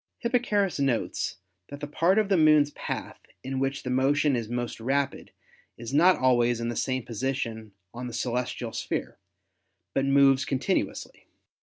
Hipparchus notes that the part of the Moon's path in which the motion is most rapid is not always in the THE MOON" 167 same position on the celestial sphere, but moves continu ously.